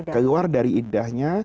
keluar dari idahnya